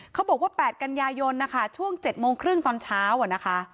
เขาบอกว่า๘กันยายนนะคะช่วง๗โมงครึ่งตอนเช้าอะนะคะ